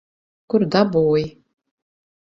Kur dabūji?